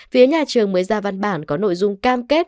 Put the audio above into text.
phía nhà trường mới ra văn bản có nội dung cam kết